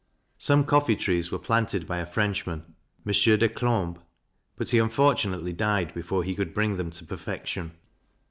Some coffee trees were planted by a Frenchman (Mons. Declambe), but he unfortunately died before he could bring them to perfection.